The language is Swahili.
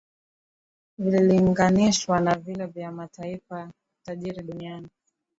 vililinganishwa na vile vya mataifa tajiri duniani